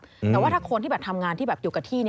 แต่ว่าถ้าคนที่ทำงานที่อยู่กับที่